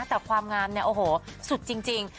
แต่ความงามเนี่ยโอ้โหสุดจริง